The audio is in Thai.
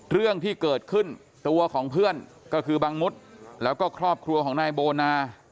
เรื่องที่เกิดขึ้นตัวของเพื่อนก็คือบังมุดแล้วก็ครอบครัวของนายโบนา